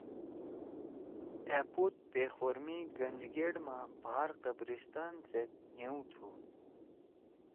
أ پود پیخور می گنج گیٹ ما بھار قبرستان سیت نھیو تُھوٕ۔